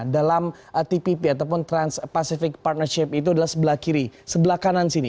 dalam tpp ataupun trans pacific partnership itu adalah sebelah kiri sebelah kanan sini